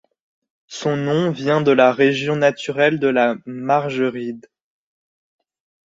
Son nom vient de la région naturelle de la Margeride.